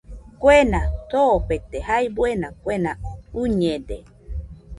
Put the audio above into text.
Kuena soofete jae buena kuena uiñede